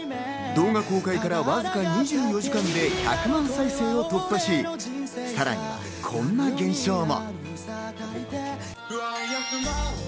動画公開からわずか２４時間で１００万再生を突破し、さらにこんな現象も。